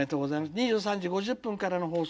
「２３時５０分からの放送。